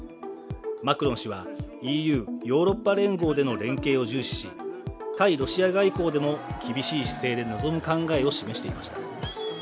マクロン氏はＥＵ＝ヨーロッパ連合での連携を重視し対ロシア外交でも厳しい姿勢で臨む考えを示していました。